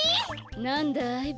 なんだい？